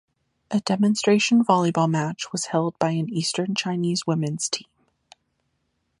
A demonstration volleyball match was held by an Eastern Chinese women's team.